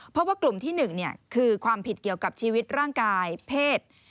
เพราะว่ากลุ่มที่๑คือความผิดเกี่ยวกับชีวิตร่างกายเพศ